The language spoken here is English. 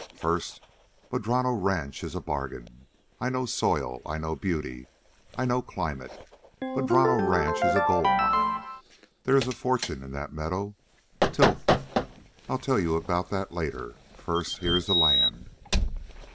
"First, Madrono Ranch is a bargain. I know soil, I know beauty, I know climate. Madrono Ranch is a gold mine. There is a fortune in that meadow. Tilth I'll tell you about that later. First, here's the land.